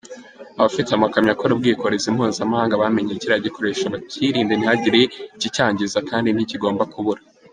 Abafite amakamyo akora ubwikorezi mpuzamahanga bamenye kiriya gikoresho, bakirinde ntihagire ikicyangiza kandi ntikigomba kubura.